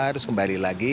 terus kembali lagi